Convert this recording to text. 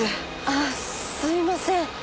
ああすいません。